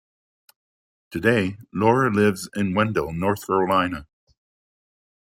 Today, Laurer lives in Wendell, North Carolina.